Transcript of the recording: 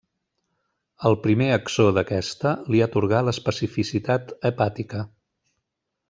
El primer exó d'aquesta li atorga l'especificitat hepàtica.